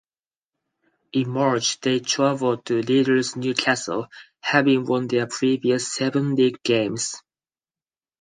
In March they travelled to leaders Newcastle, having won their previous seven league games.